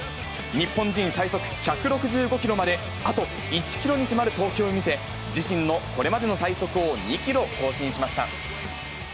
日本人最速１６５キロまであと１キロに迫る投球を見せ、自身のこれまでの最速を２キロ更新しました。